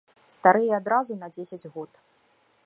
Старэе адразу на дзесяць год.